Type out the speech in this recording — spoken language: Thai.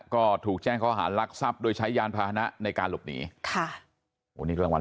ก็ถูกแจ้งเขาหาลักทรัพย์โดยใช้ยานภาษณะในการหลบหนีค่ะรางวัน